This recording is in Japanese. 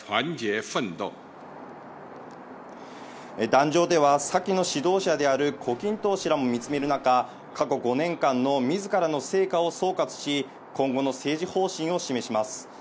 壇上では先の指導者であるコ・キントウ氏らも見つめる中、過去５年間の自らの成果を総括し、今後の政治方針を示します。